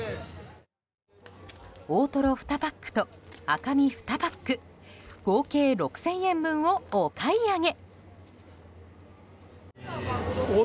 大トロ２パックと赤身２パック合計６０００円分をお買い上げ。